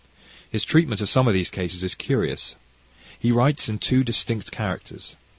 His treatment of some of these cases is curious. He writes in two distinct characters.